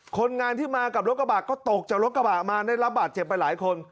คนงานที่มากับรถกระบะก็ตกจากรถกระบะมาได้รับบาดเจ็บไปหลายคน